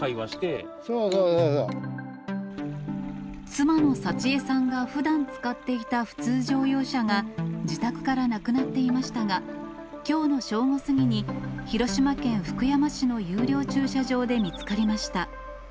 妻の幸枝さんがふだん使っていた普通乗用車が自宅からなくなっていましたが、きょうの正午過ぎに、広島県福山市の有料駐車場で見つかりました。